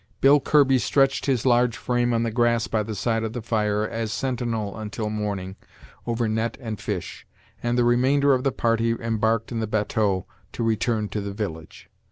Bill Kirby stretched his large frame on the grass by the side of the fire, as sentinel until morning, over net and fish; and the remainder of the party embarked in the batteau, to return to the village.